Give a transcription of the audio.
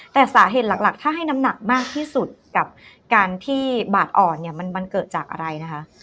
แต่สาเหตุหลักถ้าให้น้ำหนักมากที่สุดกับการที่บาดอ่อนเนี่ยมันเกิดจากอะไรนะคะ